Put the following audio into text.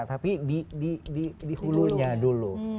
tapi di hulunya dulu